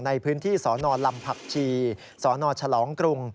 ในพื้นที่สนลำผักชีสนฉลองกรุง